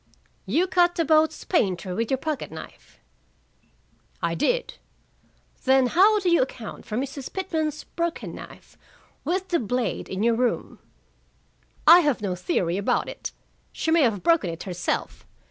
"You cut the boat's painter with your pocket knife?" "I did." "Then how do you account for Mrs. Pitman's broken knife, with the blade in your room?" "I have no theory about it. She may have broken it herself.